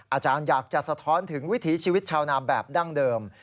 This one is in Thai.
อาจารย์อยากจะสะท้อนถึงวิถีชีวิตชาวนาแบบดั้งเดิม